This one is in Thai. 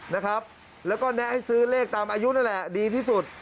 นะครับแล้วก็แนะให้ซื้อเลขตามอายุนั่นแหละดีที่สุด